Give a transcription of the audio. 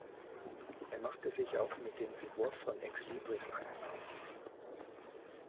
Er machte sich auch mit dem Entwurf von Exlibris einen Namen.